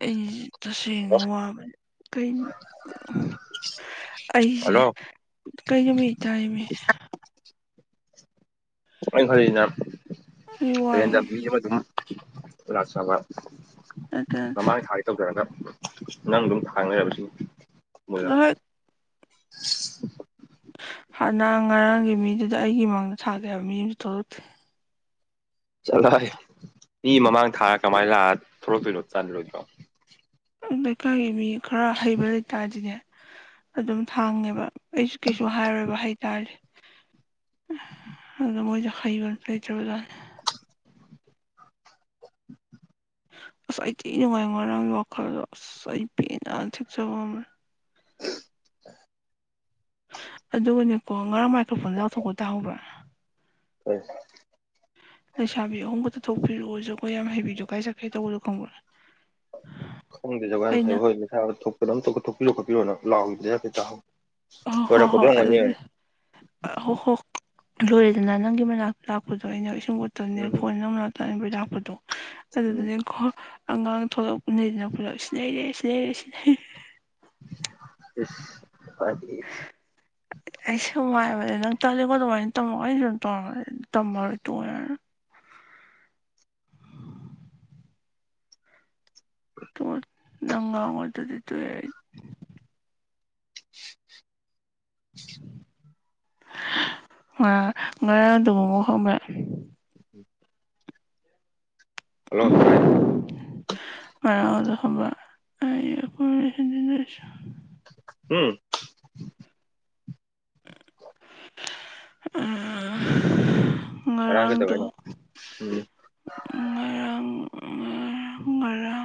ꯑꯩꯁ hello ꯇꯁꯦꯡꯅ ꯋꯥꯕꯅꯦ ꯀꯩꯅꯣ ꯑꯩꯁꯦ ꯍꯜꯂꯣ ꯀꯩꯗꯃꯤ ꯆꯥꯏꯅꯤ ꯑ ꯈꯅ ꯑꯩ ꯋꯥꯏ ꯍꯌꯦꯦꯟꯗ ꯃꯤ ꯑꯃ ꯑꯗꯨꯝ ꯂ ꯂꯥꯛ ꯁꯥꯕ ꯅꯠꯇꯅ ꯃꯃꯥꯡ ꯊꯥꯒꯤ ꯇꯧꯖꯔꯒ ꯅꯪ ꯑꯗꯨꯝ ꯍꯥꯡꯅꯔꯕꯁꯨ ꯅꯍꯣꯏ ꯍꯅꯥꯡ ꯉꯔꯥꯡꯒꯤ ꯃꯤꯗꯨꯗ ꯑꯩꯒꯤ ꯃꯥꯡꯗ ꯊꯥꯒꯦ ꯍꯥꯏꯕ ꯃꯤ ꯑꯃꯁꯨ ꯊꯣꯛꯂꯛꯇꯦ ꯆꯂ ꯃꯤ ꯃꯃꯥꯡ ꯊꯥꯔ ꯀꯃꯥꯏꯅ ꯂꯥꯛꯑ ꯊꯂꯛꯇꯣꯏꯅꯣ ꯆꯥꯅꯔꯣꯏꯗꯅꯣ ꯂꯩꯀꯥꯏꯒꯤ ꯃꯤ ꯈꯔ ꯍꯩꯕ ꯂꯩꯇꯥꯔꯗꯤꯅꯦ ꯑꯗꯨꯝ ꯊꯥꯡꯉꯦꯕ ꯑꯩꯁꯨ ꯀꯩꯁꯨ ꯍꯥꯏꯔꯣꯏꯕ ꯍꯥꯏꯗꯤ ꯇ ꯑ ꯃꯣꯏ ꯆ ꯑꯁ ꯑꯇꯤ ꯅꯨꯡꯉꯥꯏ ꯉꯔꯥꯡꯒꯤ ꯋꯥꯈꯜꯗꯣ ꯑꯁꯥꯏꯇꯤꯅꯊꯤꯆꯕ ꯑꯃꯝ [inaudible] ꯑꯗꯨꯒꯅꯦꯀꯣ ꯉꯔꯥꯡ ꯃꯥꯏꯀ꯭ꯔꯣꯐꯣꯟ ꯂꯎꯊꯣꯛꯄ ꯇꯥꯍꯧꯕ꯭ꯔꯥ ꯍ ꯂꯩꯁꯥꯕꯤ ꯑꯍꯣꯡꯕꯛꯇ ꯊꯣꯛꯄꯤꯔꯛꯑꯣꯔꯁꯨꯈꯣꯏ ꯌꯥꯝ ꯍ ꯍꯥꯏꯕꯤꯗ ꯀꯥꯏ ꯆꯀꯥꯏ ꯇꯧꯕꯗꯣ ꯈꯪꯕ ꯈꯪꯗꯦ ꯖꯒꯥ ꯍꯥꯏ ꯍꯣꯏꯁꯥ ꯊꯣꯛꯄꯗ ꯑꯃꯝꯧ ꯊꯣꯛꯄꯤꯔꯣ ꯈꯣꯠꯄꯤꯔꯣꯅ ꯂꯥꯎꯎꯗ ꯀ ꯇ ꯍꯣꯏ ꯊꯔ ꯍꯣꯏ ꯍꯣꯏ ꯈꯨꯗꯣꯉꯅꯤ ꯑꯗꯨꯗꯤ ꯍꯣ ꯍꯣ ꯂꯣꯏꯔꯦꯗꯅ ꯅꯪꯒꯤ ꯃꯅꯥꯛꯇ ꯂꯥꯛꯄꯗꯣ ꯑꯩꯅ ꯏꯁꯤꯡ ꯎꯠꯇꯕꯅꯦ ꯎꯝ ꯐꯣꯟ ꯅꯪꯅ ꯇꯕꯩ ꯂꯥꯛꯄꯗꯣ ꯎꯝ ꯑꯗꯨꯗꯨꯗꯤꯈꯣ ꯑꯉꯥꯡ ꯊꯣꯛꯂꯛꯄꯅꯤꯗꯅ ꯄꯨꯂꯞ ꯁꯤ ꯂꯩꯔꯦ ꯁꯤ ꯂꯩꯔꯦ ꯁꯤ ꯂꯩꯔꯦ ꯐ ꯑꯩꯁꯨ ꯋꯥꯥꯏꯕꯅꯦ ꯅꯪ ꯇꯂꯀꯣ ꯑꯗꯨꯃꯥꯏꯅ ꯇꯝꯃꯣ ꯀ ꯁꯨꯝ ꯇ ꯇꯝꯃꯔꯣꯏ ꯇ ꯇ ꯅꯪꯒꯥ ꯃꯗꯗꯤ ꯇꯣꯏ ꯑꯩ [inaudible] ꯑ ꯉꯔ ꯑꯗꯨꯕꯨ ꯃꯐꯝꯃꯦ ꯎꯝ ꯑꯣꯂ ꯇꯥꯏ ꯊꯕ ꯑꯩꯣꯏ ꯍꯗꯤꯅꯁꯨ ꯎꯝ ꯑ ꯑꯔꯥꯡꯒꯗꯩꯅ ꯎꯝ ꯎ ꯃꯔ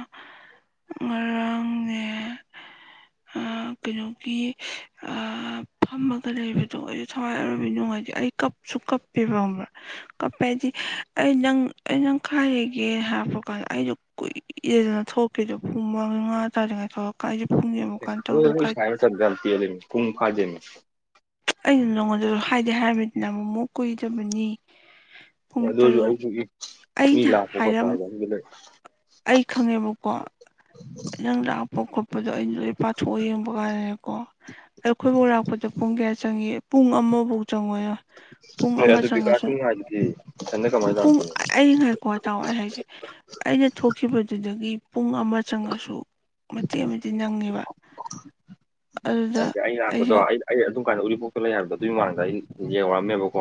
ꯀꯝꯃꯒ ꯂꯩꯕꯗꯣ ꯑꯩꯁꯨ ꯊꯋꯥꯏ ꯑꯎꯔꯝꯃꯤ ꯅꯨꯡꯉꯥꯏꯇꯗꯤ ꯑꯩ ꯀꯞꯁꯨ ꯀꯞꯄꯦꯕ ꯑꯃꯕ꯭ꯔꯥ ꯀꯞꯄꯦ ꯍꯥꯏꯗꯤ ꯑꯩ ꯅꯪ ꯑꯩ ꯅꯪ ꯈꯥꯏꯔꯒꯦꯅ ꯍꯥꯏꯄ ꯀꯥꯟꯗ ꯑꯩꯁꯨ ꯀꯨꯏꯦꯗꯅ ꯊꯣꯛꯀꯦꯗꯣ ꯄꯨꯡ ꯃꯉꯥꯩ ꯃꯉꯥ ꯇꯥꯔꯤꯉꯩ ꯊꯣꯛꯂꯀꯥꯏꯁꯦ ꯑꯗꯨꯣꯏ ꯆ ꯇꯤ ꯂꯩ ꯄꯨꯡ ꯐꯥꯖꯦ ꯑꯩꯅ ꯅꯉꯣꯟꯗꯁꯨ ꯍꯥꯏꯗꯦ ꯍꯥꯏꯔꯕꯅꯤꯅ ꯑꯃꯃꯨꯛ ꯀꯨꯏꯗꯕꯅꯤ ꯑꯦ ꯄꯨꯡ ꯑꯗꯨ ꯇꯔꯨꯛ ꯑꯣꯏꯔꯁꯨ ꯑꯩꯁꯨ ꯃꯤ ꯑꯩꯅ ꯂꯥꯛꯄ ꯈꯣꯠꯄ ꯍꯥꯏꯔꯝ ꯍꯥꯏꯗꯣ ꯑꯗꯨꯗ ꯑꯩ ꯈꯪꯉꯦꯕꯀꯣ ꯅꯪ ꯂꯥꯛꯄ ꯈꯣꯠꯄꯗꯣ ꯑꯩꯅ ꯄꯥꯊꯣꯛꯑ ꯌꯦꯡꯕ ꯀꯥꯏꯔꯦꯀꯣ ꯑ ꯑꯩꯈꯣꯏꯕꯨꯔꯥꯛꯄꯗ ꯄꯨꯡ ꯀꯌꯥ ꯆꯪꯉꯤ ꯄꯨꯡ ꯑꯃꯐꯥꯎ ꯆꯪꯉꯣꯏꯅ ꯄꯨꯡ ꯂꯩ ꯑꯦ ꯑꯃ ꯑꯗꯨ ꯆꯪꯉꯁꯨ ꯕꯤꯀꯥꯁꯄꯨ ꯉꯥꯏꯗꯨꯗꯤ ꯏꯊꯟꯗ ꯀꯃꯥꯏꯅ ꯄꯨꯡ ꯂꯥꯛꯇꯣꯏꯅꯣ ꯑ ꯉꯥꯏꯀꯣ ꯇꯥꯎꯋꯥꯏ ꯍꯥꯏꯁꯦ ꯑꯩꯅ ꯊꯣꯛꯈꯤꯕꯗꯨꯗꯒꯤ ꯄꯨꯡ ꯑꯃ ꯆꯪꯉꯁꯨ ꯃꯇꯦꯛ ꯑꯃꯗꯤ ꯅꯪꯉꯦꯕ ꯑꯗꯨꯗ ꯑꯗꯨ ꯑꯩ ꯂꯥꯛꯄꯗꯣ ꯑꯩꯁꯦ ꯑꯩ ꯑꯗꯨ ꯀꯥꯏꯅ ꯎꯔꯤꯄꯣꯛꯇ ꯂꯩ ꯍꯥꯏꯕꯗꯣ ꯑꯗꯨꯒꯤ ꯃꯃꯥꯡꯗ ꯑꯩ ꯌꯦꯡꯍꯧꯔꯝꯃꯦꯕꯀꯣ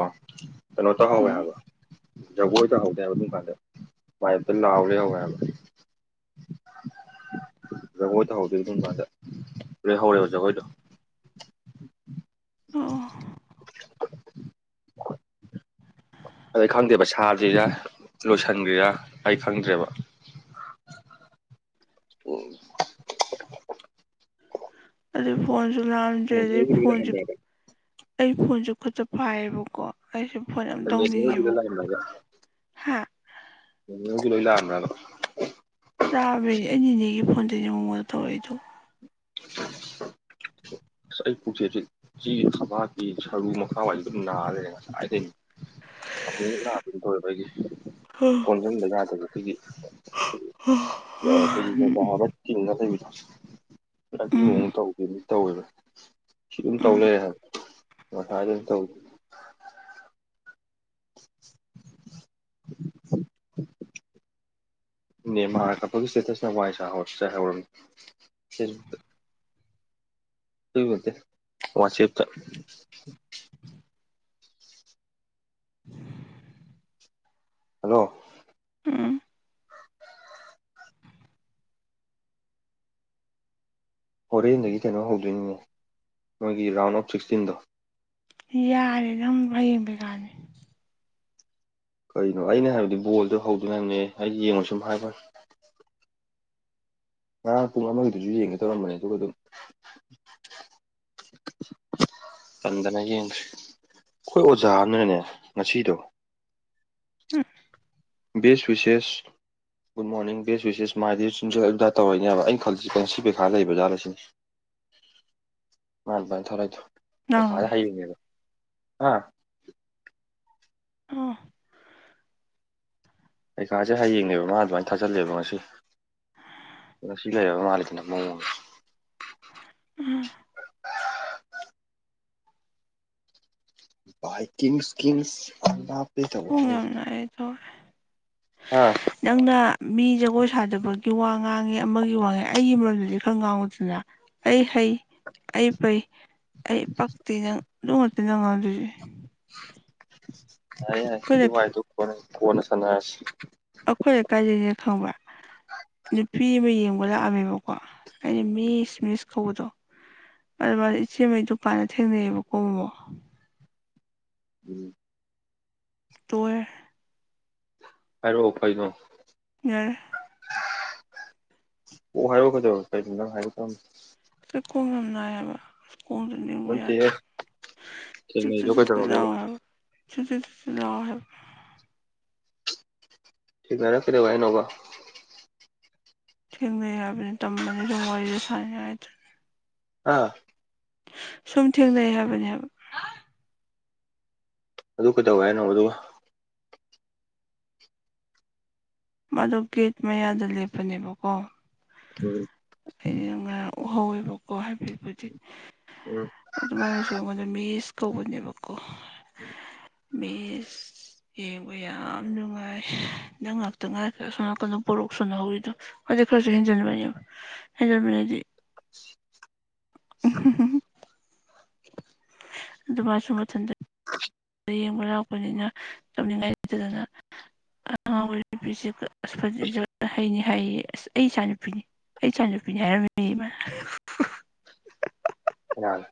ꯀꯩꯅꯣ ꯇꯧꯍꯧꯋꯦ ꯎꯝ ꯍꯥꯏꯕ ꯖꯒꯣꯏ ꯇꯍꯗꯦ ꯍꯥꯏꯕ ꯑꯗꯨ ꯀꯥꯟꯗ ꯃꯥꯏ ꯑꯝꯇ ꯂꯥꯎꯍꯔꯦ ꯍꯧꯧꯋꯦ ꯍꯥꯏꯕ ꯖꯒꯣꯏ ꯇ ꯍꯧꯗꯣꯏ ꯑꯗꯨ ꯀꯗ ꯂꯦꯛ ꯍꯧꯔꯦꯕ ꯖꯒꯣꯏꯗꯣ ꯑꯣ ꯑꯗ ꯈꯪꯗꯦꯕ ꯁꯥꯗ꯭ꯔꯤꯔꯥ ꯂꯣꯏꯁꯤꯟꯈ꯭ꯔꯤꯔꯥ ꯑꯩ ꯈꯪꯗ꯭ꯔꯦꯕ ꯑꯗꯨ ꯐꯣꯟꯣꯟ ꯆ ꯂꯥꯅ ꯆꯗ ꯅꯣꯅꯦꯒꯤ ꯂꯣꯏ ꯐꯣꯟꯖꯤ ꯂꯥꯛꯑꯝꯃꯦꯕ ꯑꯩ ꯐꯣꯟꯁꯨ ꯈꯨꯠꯇ ꯐꯥꯏꯌꯦꯕꯀꯣ ꯑꯩꯁꯨꯦ ꯐꯣꯟ ꯌꯥꯝ ꯅꯣꯅꯦꯒꯤꯗ ꯇꯧꯅꯤꯡꯉꯦꯕ ꯍꯥ ꯌꯦ ꯀꯂꯂꯑꯃꯦꯅꯣ ꯇꯥꯕ꯭ꯔꯦ ꯑꯩ ꯏꯅꯦꯒꯤ ꯐꯣꯟꯗꯅꯦ ꯃꯉꯣꯟꯗ ꯊꯣꯛꯧꯔꯛꯏꯗꯣ [unintelligible] ꯑꯁ ꯑꯩ ꯄꯨꯛꯆꯦꯁꯤ ꯆ ꯊꯕꯀꯤ ꯁꯔꯨ ꯃꯈꯥꯋꯥꯏꯁ ꯑꯗꯨꯝ ꯅꯥꯈ꯭ꯔꯦ ꯉꯁꯥꯏꯗꯩꯅꯦ ꯑꯃ ꯑꯗꯨꯗꯣꯏꯕꯒꯤ ꯍ ꯀꯣꯟꯖꯟꯕ ꯌꯥꯗꯕ ꯑꯩꯈꯣꯏꯒꯤ ꯎꯝ ꯑꯩꯈꯣꯏꯒꯤ ꯁꯥ ꯥꯔꯠꯀꯤ ꯗ ꯉ ꯎꯝ ꯃꯑꯣꯡ ꯇꯧꯒꯦ ꯃꯤ ꯇꯧꯋꯦꯕ ꯁꯤ ꯑꯗꯨꯝ ꯎꯝ ꯇꯧ ꯂꯩꯦ ꯍꯥꯏꯕ ꯃ ꯊꯗ ꯊꯧ ꯎꯝ ꯅ ꯃꯥꯔ ꯀꯛꯄꯒꯤ ꯁꯇꯦꯇꯁꯅ ꯋꯥꯏ ꯇꯠꯇ ꯋꯥꯁꯤ ꯍꯜꯂꯣ ꯎꯝ ꯍꯣꯔꯦꯟꯗꯒꯤ ꯀꯩꯅꯣ ꯍꯧꯗꯣꯏꯅꯤꯉ ꯅꯣꯏꯒꯤ ꯔꯥꯎꯟ ꯑꯣꯞ ꯁꯤꯛꯁꯇꯤꯟꯗꯣ ꯌꯥꯔꯦ ꯅꯪ ꯍꯌꯦꯡꯕꯩꯀꯅꯤ ꯀꯩꯅꯣ ꯑꯩꯅ ꯍꯥꯏꯕꯗꯤ ꯕꯣꯜꯗꯣ ꯍꯧꯗꯣꯏꯅ ꯍꯥꯏꯕꯅꯦ ꯑꯩ ꯌꯦꯡꯉꯨ ꯁꯨꯝ ꯍꯥꯏꯕꯅꯤ ꯉꯔꯥꯡ ꯄꯨꯡ ꯑꯃꯒꯤꯗꯨꯁꯨ ꯌꯦꯡꯒꯦ ꯇꯧꯔꯝꯕꯅꯦ ꯑꯗꯨꯒ ꯑꯗꯨꯝ꯫ ꯇꯟꯗꯅ ꯌꯦꯡꯗꯦ ꯑꯩꯈꯣꯏ ꯑꯣꯖꯥ ꯑꯃꯅꯅꯦ ꯉꯁꯤꯗꯣ꯫ ꯍꯨꯝ ꯕꯦꯁ ꯁꯦꯁ ꯒꯨꯗ ꯃꯣꯔꯅꯤꯡ ꯕꯦ ꯋꯤꯁꯦꯁ ꯃꯥꯥꯏꯗꯤ ꯁꯨꯝꯖ ꯖ ꯇꯧꯔꯛꯏꯅꯦꯕ ꯑꯩꯩꯅ ꯈꯜꯂꯤꯁꯤꯪꯁꯤ ꯀꯩꯈꯥ ꯂꯩꯕ ꯖꯥꯠꯁꯤꯅꯦ꯫ ꯃꯥꯄ ꯊꯧꯣꯔ ꯊ ꯐꯗ ꯂꯥꯎꯅꯕ ꯍꯥꯏꯕꯗ ꯑ ꯑ ꯀꯩꯀꯥꯁꯦ ꯍꯌꯦꯡꯅꯦꯕ ꯃꯥ ꯑꯗꯨꯃꯥꯏꯅ ꯊꯥꯆꯜꯂꯦꯕ ꯉꯁꯤ ꯁꯤ ꯂꯩꯕ ꯃꯥꯂꯅ ꯃꯑꯣ ꯏꯁꯁ ꯑ ꯀꯨꯡ ꯌꯥꯝꯦꯝꯅ ꯑꯦꯁꯨ ꯑꯥ ꯅꯪꯅ ꯃꯤ ꯖꯒꯣꯏ ꯁꯥꯗꯕꯒꯤ ꯋꯥ ꯉꯥꯡꯉꯦ ꯑꯃꯒꯤ ꯋꯥꯉꯦ ꯑꯩꯒꯤ ꯃꯔꯝꯗꯨꯗꯤ ꯈꯔ ꯉꯥꯡꯉꯗꯅ ꯑꯩ ꯐ ꯑꯩ ꯐꯩ ꯑꯩ ꯄꯛꯇꯤ ꯅꯪ ꯑꯗꯨ ꯉꯛꯇ ꯅꯪ ꯉꯥꯡꯗꯣꯏꯁꯦ ꯌꯥꯏ ꯌꯥꯏꯗꯨ ꯑꯩꯈꯣꯏ ꯍꯥꯏꯏꯗꯨ ꯀꯣꯟꯅ ꯀꯣꯟꯅ ꯁꯥꯟꯅꯔꯁꯤ ꯑꯩꯈꯣꯏ ꯀꯥꯏꯗꯁꯦ ꯈꯪꯕ ꯅꯨꯄꯤ ꯑꯃ ꯌꯦꯡꯕ ꯂꯥꯛꯑꯃꯦꯕꯀꯣ ꯑꯩ ꯃꯤꯁ ꯃꯤꯁ ꯀꯧꯕꯗꯣ ꯑꯗꯨ ꯃꯥ ꯏꯆꯦꯈꯩ ꯗꯨꯀꯥꯟꯗ ꯊꯦꯡꯅꯩꯑꯕꯀꯣ ꯃꯃꯣ ꯎꯝ ꯇꯣꯏ ꯑꯔꯣ ꯐꯣꯏꯅꯣ ꯌꯥ ꯑꯣ ꯍꯥꯏꯔꯨ ꯈꯗꯧ ꯀ ꯅꯪ ꯍꯥꯏꯌ ꯀꯣꯡ ꯌꯥꯝ ꯅꯥꯏꯑꯕ ꯀꯨꯝꯗꯅꯤꯕ ꯌꯥꯗ ꯅꯠꯇꯦꯍꯦ ꯆꯤꯠꯇ ꯊꯦꯡꯅꯩꯗꯣ ꯆꯤꯠꯇꯇ ꯀꯩꯗꯧꯔꯒꯦꯕ ꯌꯥꯉ ꯁꯁꯤ ꯊꯁꯤ ꯂ ꯍꯥꯏ ꯊꯅꯅ ꯐꯔꯦꯕ ꯏꯅꯣ ꯊꯦꯡꯅ ꯌꯥꯕꯅꯤ ꯇꯝꯕꯅꯤ ꯑꯗꯨꯣ ꯋꯥꯔꯤꯁꯦ ꯁꯥꯅꯤꯉꯥꯏꯗꯨꯅ ꯑꯥ ꯁꯨꯝ ꯊꯦꯡ ꯂꯩꯏ ꯍꯥꯏꯕꯅꯤ ꯍꯥꯏꯕ ꯑꯗꯨ ꯀꯩꯗꯧ ꯍꯥꯏꯅꯣ ꯑꯗꯨꯒ ꯃꯗ ꯒꯦꯠ ꯃꯌꯥꯗ ꯂꯦꯞꯄꯅꯦꯕꯀꯣ ꯎꯝ ꯉꯥꯏ ꯎꯍꯧꯋꯦꯕꯀꯣ ꯍꯥꯏꯕꯕꯨꯗꯤ ꯎꯝ ꯑꯗꯨꯃꯥꯏꯅꯁꯨ ꯑꯩꯉꯣꯟꯗ ꯃꯤꯁ ꯇꯧꯕꯅꯦꯕꯀꯣ ꯎꯝ ꯁ ꯌꯦꯡꯕꯨ ꯌꯥꯝ ꯅꯨꯡꯉꯥꯏ ꯅꯉ ꯉꯥꯏꯈ꯭ꯔ ꯁꯣꯅꯥꯀꯟꯗ ꯄꯣꯔꯣꯛ ꯁꯨꯅꯍꯧꯔꯤꯗꯣ ꯑꯗꯨ ꯈꯔꯁꯨ ꯍꯦꯟꯖꯤꯟꯕꯅꯦꯕ ꯍꯦꯟꯖꯤꯟꯕꯅꯗꯤ ꯎ ꯑꯗꯨꯃ ꯁꯃ ꯊꯟꯗ ꯌꯦꯡꯕ ꯂꯥꯛꯄꯅꯤꯅ ꯆꯞꯅꯤꯡꯉꯥꯏꯇꯗꯅ ꯑꯉꯥꯡ ꯑꯣꯏ ꯅꯨꯁꯤꯒꯥ ꯑꯄ ꯍꯩꯅꯤ ꯍꯥꯏꯌꯦ ꯑꯁ ꯑꯩ ꯏꯆꯥꯅꯨꯄꯤꯅꯤ ꯑꯩ ꯏꯆꯥꯅꯨꯄꯤꯅꯤ ꯍꯥꯏꯔꯝꯃꯤ ꯃꯤ ꯏꯃ꯫ ꯀꯥꯅꯅ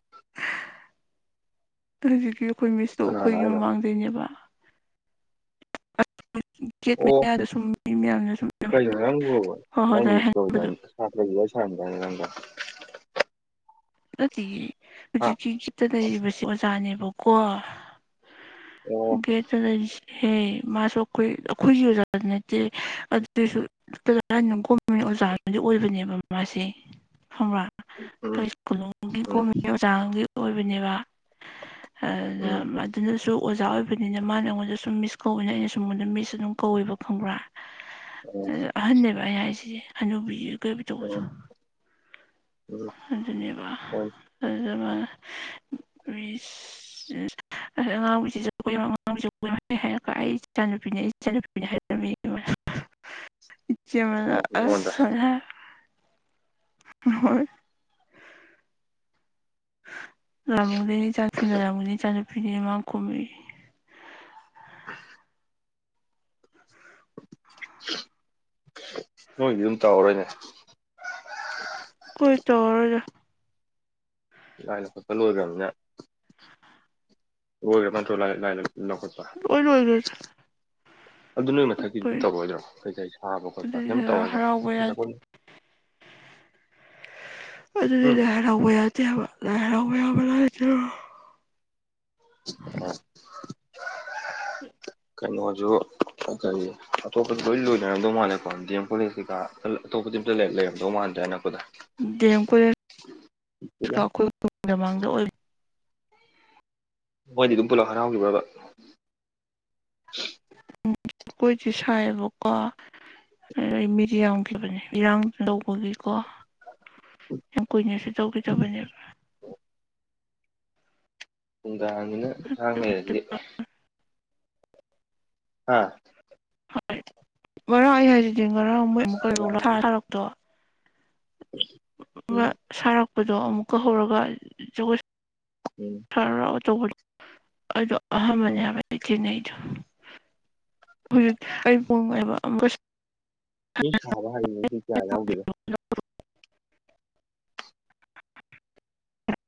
ꯑ ꯍꯧꯖꯤꯛꯀꯤ ꯑꯩꯈꯣꯏ ꯃꯤꯁꯇꯣ ꯀꯅꯥꯅ ꯑꯩꯈꯣꯏꯒꯤ ꯍꯥꯏꯅꯣ ꯃꯃꯥꯡꯗꯩꯅꯦꯕ꯫ ꯒꯦꯠ ꯑꯣ ꯃꯌꯥꯗ ꯁꯨꯝ ꯃꯤ ꯃꯌꯥꯝꯅ ꯁꯨꯝ ꯍꯣꯏ ꯀꯩ ꯅꯪꯪ ꯍꯣꯏ ꯀꯗ ꯑꯗꯨꯃꯥꯏꯅ ꯁꯥ ꯍꯥꯏꯅꯕꯗꯣ ꯁꯥꯟꯗ ꯀꯗ [inaudible] ꯑꯗꯨꯗꯤ ꯍꯥ ꯍꯧꯖꯤꯛꯀꯤ ꯇ ꯂꯩꯔꯤꯕꯁꯤ ꯑꯣꯖꯥꯅꯦꯕꯀꯣ꯫ ꯑꯣ ꯒꯦꯇ ꯇꯥꯂꯩꯔꯤꯁꯦ ꯍꯦ ꯃꯥꯁꯨ ꯑꯩꯈꯣꯏ ꯑꯩꯈꯣꯏꯒꯤ ꯑꯣꯖꯥꯗꯤ ꯅꯠꯇꯦ ꯑꯗꯨꯁꯨꯖ꯫ ꯑꯣꯖꯥꯅꯗꯤ ꯑꯣꯏꯕꯅꯦꯕ ꯃꯥꯁꯦ ꯐ꯭ꯔꯥ ꯀ ꯎꯝ ꯀꯣꯅꯨꯡꯒꯤ ꯎꯝ ꯀꯣꯝꯃꯤ ꯑꯣꯖꯥꯡꯒꯤ ꯑꯣꯏꯕꯅꯦꯕ ꯑꯗ ꯎꯝ ꯑꯗꯨꯅꯁꯨ ꯑꯣꯖꯥ ꯑꯣꯏꯕꯅꯤꯅ ꯃꯥꯅ ꯑꯩꯉꯣꯟꯗ ꯁꯨꯝ ꯃꯤꯁ ꯀꯧꯏꯤꯅ ꯑꯩꯅ ꯁ ꯑꯩꯉꯣꯟꯗ ꯃꯤꯁ ꯑꯗꯨꯝ ꯀꯧꯋꯦꯕ ꯈꯪꯕ꯭ꯔꯥ ꯑ ꯑꯣ ꯑꯍꯟꯅꯅꯦꯕ ꯑꯩꯩꯅ ꯍꯥꯏꯁꯤꯗꯤꯦ ꯍꯅꯨꯕꯤ ꯀꯣꯏꯕꯤ ꯇꯧꯕꯗꯣ ꯑꯣ ꯎꯝ ꯑꯗꯨꯅꯦꯕ ꯍꯣꯏ ꯐꯖꯕ [inaudible] ꯄꯨꯁ ꯑꯉꯥꯡꯕꯁꯤꯁꯨ ꯀꯣꯏ ꯑꯉꯥꯡꯁꯨ ꯀꯣꯏ ꯍꯥꯏꯔꯒ ꯑꯩ ꯏꯆꯥꯅꯨꯄꯤꯅꯦ ꯑꯩ ꯏꯆꯥꯟꯅꯨꯄꯤꯅꯦ ꯍꯥꯏꯔꯝꯃꯤ ꯑꯗꯨꯃꯥꯏꯅ [inaudible] ꯀ ꯃꯅ ꯑꯣ ꯑꯩꯉꯣꯟꯗ ꯑꯁꯥ ꯍꯣꯏ ꯔꯃꯂꯤ ꯆ ꯐꯤ ꯔꯃꯅꯤ ꯆ ꯐꯤꯅꯤ ꯃꯥ ꯀꯃꯤꯦ ꯑ ꯅꯣꯏꯒꯤ ꯑꯗꯨꯝ ꯇꯧꯍꯔꯣꯏꯅꯦ ꯑꯩꯈꯣꯏ ꯇꯧꯔꯔꯣꯏꯗ ꯂꯥꯏꯅ ꯈꯣꯠꯄ ꯂꯣꯏꯈ꯭ꯔꯕꯅꯦ ꯂꯣꯏꯈ꯭ꯔꯕ ꯅꯠꯇ꯭ꯔꯣ ꯂꯥꯏ ꯂꯧꯈꯠꯄ ꯑꯣꯏꯅ ꯑꯣꯏꯗ ꯑꯗꯨ ꯅꯣꯏꯒꯤ ꯃꯊꯛꯀꯤꯗꯤ ꯇꯧꯔꯣꯏꯗ꯭ꯔꯣ ꯀꯩꯀꯩ ꯁꯥꯕ ꯈꯣꯠꯄ ꯑꯗꯨꯗꯤ ꯀꯩꯝꯇ ꯇꯧꯔꯣꯏꯗ꯭ꯔꯥ ꯍꯔꯥꯎꯕ ꯌꯥꯗꯦ [inaudible] ꯑꯗꯨꯗꯤ ꯎꯝ ꯂꯥꯏ ꯍꯔꯥꯎꯕ ꯌꯥꯗꯦꯕ ꯂꯥꯏ ꯍꯔꯥꯎꯕ ꯌꯥꯕ ꯂ ꯑꯣ ꯀꯩꯅꯣꯁꯨ ꯀꯔꯤ ꯑꯇꯣꯞꯄꯗ ꯂꯣꯏ ꯂꯣꯏꯅꯔꯝꯗꯧ ꯃꯥꯜꯂꯦꯀꯣ ꯗꯤ ꯑꯦꯝ ꯀꯣꯂꯦꯖ ꯀꯩꯀꯥ ꯑꯇꯣꯄ ꯂꯩꯔꯝꯗꯧ ꯃꯥꯟꯗꯦꯅꯛꯄꯗ ꯦꯝ ꯀꯣꯂꯖꯣꯏꯥꯡꯗ ꯑꯣꯏ ꯃꯣꯏꯗꯤ ꯑꯗꯨꯝ ꯄꯨꯂꯞ ꯍꯔꯥꯎꯈꯤꯕ꯭ꯔꯕ ꯖꯈꯣꯏꯁꯦ ꯁꯥꯏꯑꯕꯀꯣ ꯑ ꯑꯩ ꯃꯤꯗꯤ ꯌꯥꯝꯈꯤꯕꯅꯤ ꯏꯔꯥꯡꯗꯨ ꯇꯧꯕꯒꯤꯀꯣ ꯌꯥꯝ ꯀꯨꯏꯅ ꯆꯧꯀꯤ ꯆꯧꯄꯟꯖ ꯑ ꯍꯥꯟꯅꯤꯅ ꯏꯟꯁꯥꯡꯉꯩꯔꯗꯤ ꯑꯥ ꯍꯣꯏ ꯕꯔꯥ ꯑꯩ ꯍꯥꯏꯖꯗꯤ ꯉꯔꯥꯡ ꯑꯃꯩ ꯅꯨꯡꯗꯥꯡ ꯑꯃꯨꯛꯀꯥꯔꯛꯇꯣ ꯎꯝ ꯁꯥꯔꯛꯄꯗꯣ ꯑꯃꯨꯛꯀ ꯍꯧꯔꯒ ꯒꯣꯏ ꯎꯝ ꯑꯗꯨꯗꯣ ꯑꯍꯥꯟꯕꯅꯦ ꯎꯝ ꯍꯥꯏꯕ ꯏꯆꯦꯟꯅꯩꯗꯣ ꯍꯧꯖꯤꯛꯇ ꯑꯩ ꯄꯉꯥꯏꯕ ꯃꯤ ꯁꯥꯕ ꯍꯩꯕꯗꯤ ꯀꯌꯥ ꯌꯥꯎꯗꯗꯣ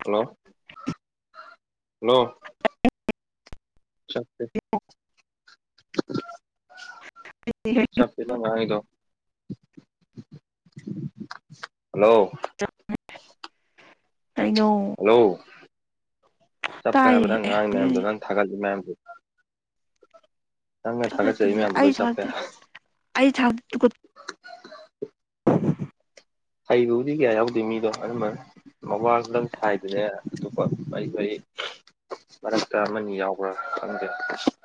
ꯍꯜꯂꯣ ꯍꯜꯂꯣ ꯁꯦ ꯁꯞꯇꯤ ꯂꯪ ꯉꯅꯤꯗ ꯍꯜꯂꯣ [inaudible] ꯍꯜꯂꯣ ꯆꯞꯄꯦ ꯍꯥꯏꯕ ꯇꯥꯏꯅꯦ ꯅꯪ ꯉꯥꯏ ꯑꯦ ꯃꯌꯥꯝꯗꯣ ꯅꯪ ꯊꯥꯒꯠꯂꯤ ꯃꯌꯥꯝꯗꯣ ꯊꯪꯉꯦ ꯊꯥꯒꯠꯆꯔꯤ ꯈꯪꯗꯦ ꯃꯌꯥꯝꯗꯣ ꯑꯩ ꯂꯣꯏ ꯆꯠꯄꯦ ꯊꯥꯛꯇꯦ ꯑꯩ ꯊꯥꯛꯇꯦ [inaudible] ꯍꯩꯕꯕꯨꯗꯤ ꯀꯌꯥ ꯌꯥꯎꯗꯦ ꯃꯤꯗꯣ ꯑꯗꯨꯝꯕ ꯃꯕꯥ ꯈꯗꯪ ꯁꯥꯏꯗꯅꯦ ꯑꯗꯨꯒꯇꯄ ꯃꯔꯤ ꯃꯔꯤ [inaudible] ꯃꯔꯛꯇ ꯑꯃꯅꯤ ꯌꯥꯎꯕ꯭ꯔꯥ ꯈꯪꯗꯦ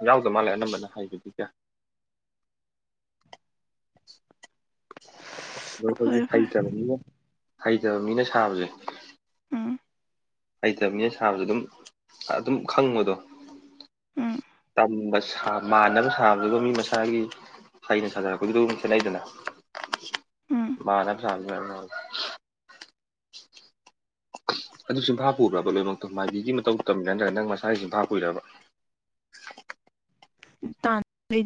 ꯌꯥꯎꯗ ꯃꯥꯜꯂꯦ ꯑꯅꯝꯕꯅ ꯍꯩꯕꯗꯤ ꯀꯌꯥ [inaudible] ꯑ ꯑꯩꯈꯣꯏꯒꯤ ꯐꯔꯦ ꯐꯔꯦ ꯍꯩꯇꯕ ꯃꯤꯅ ꯍꯩꯇꯕ ꯃꯤꯅ ꯁꯥꯕꯁꯦ ꯎꯝ ꯍꯩꯇꯕꯅꯤꯅꯦꯅ ꯁꯥꯕꯁꯨ ꯑꯗꯨꯝ ꯑꯗꯨꯝ ꯈꯪꯕꯗꯣ ꯎꯝ ꯆꯝꯕ ꯃꯥꯟꯅꯕ ꯁꯥꯕꯗꯕ ꯃꯤ ꯃꯁꯥꯒꯤ ꯑꯩꯅ ꯁꯥꯖꯔꯛꯄꯗꯨꯗ ꯑꯗꯨꯝ ꯈꯦꯠꯅꯩꯗꯅ ꯎꯝ ꯔꯥ ꯁꯜ ꯃ ꯑꯗꯨ ꯁꯐꯥ ꯄꯨꯕ꯭ꯔꯕ ꯂꯣꯏꯅꯛꯇ ꯃꯥꯏꯕꯤꯒꯤ ꯃꯇꯧ ꯇꯝꯃꯤ ꯅꯠꯇ꯭ꯔꯒ ꯅꯪ ꯃꯁꯥꯒꯤ ꯁꯐꯥ ꯄꯨꯨꯏꯔꯕ [inaudible] ꯇꯥꯟꯔꯤ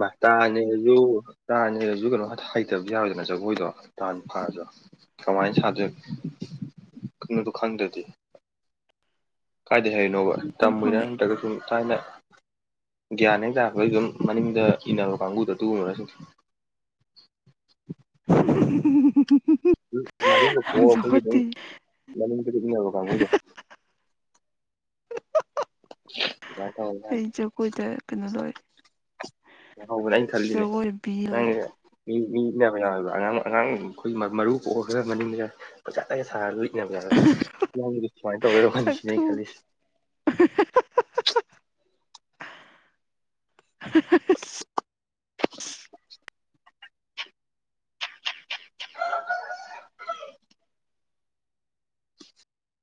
ꯃꯥꯇꯥꯅꯤꯁꯨꯨ ꯇꯥꯅꯤꯔꯁꯨ ꯀꯩꯅꯣ ꯍꯩꯇꯕ ꯌꯥꯔꯣꯏꯗꯅ ꯖꯒꯣꯏꯗꯣ ꯇꯥ ꯈꯥꯔꯁꯨ ꯀꯃꯥꯏꯅ ꯁꯥꯗꯣꯏꯦ ꯀꯣꯗꯨ ꯈꯥꯟꯗꯦꯗꯤ ꯀꯥꯏꯗꯩ ꯍꯣꯏꯅꯣꯕ ꯑꯗꯨꯝ ꯇꯝꯃꯣꯏꯔꯥ ꯈꯪꯉꯛꯑꯦ ꯅꯗ꯭ꯔꯒ ꯁꯨꯝ ꯊꯥꯏꯅ ꯒ꯭ꯌꯥꯟ ꯍꯥꯏ ꯇꯥꯔꯄ ꯑꯩ ꯑꯗꯨꯝ ꯃꯅꯤꯡꯗ ꯏꯟꯅꯕ ꯀꯥꯡꯕꯨꯗ ꯇꯨꯕ [inaudible] [inaudible] ꯃꯔ ꯃꯅꯤꯕ ꯌꯥꯝ ꯆꯥꯎꯈꯠꯇꯦ ꯀꯥꯡꯕꯨꯗ ꯑꯗꯨꯃꯥꯏꯅ ꯑꯩ ꯇꯧꯔꯒ ꯖꯒꯣꯏꯗ ꯀꯩꯅꯣ ꯂꯣꯏꯔꯦ ꯍꯅꯦ ꯑꯩꯅ ꯈꯜꯂꯤꯅꯦ ꯖꯒꯣꯏ ꯕꯤ ꯅꯉ ꯂꯣꯏꯔꯦ ꯃꯤ ꯃꯤꯕ ꯌꯥꯎ ꯑꯣꯏꯕ ꯑꯉꯥꯡ ꯑꯉꯥꯡ ꯑꯩꯈꯣꯏ ꯃꯔꯨ ꯄꯣꯛꯑꯒ ꯃꯅꯤꯡꯗ ꯄꯩꯖꯥ ꯇꯖ ꯁꯥꯔꯣꯏ ꯌꯥꯝ ꯌꯥꯔ ꯌꯥꯝ ꯁꯃꯥꯏꯅ ꯇꯧ ꯁꯛ ꯃꯁꯤꯅ ꯊꯨ ꯈ [inaudible] [inaudible]